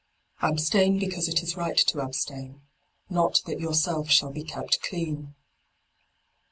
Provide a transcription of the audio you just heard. Abstain because it is right to abstain — ^not that your self shall be kept clean.